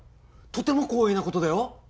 とても光栄なことだよ。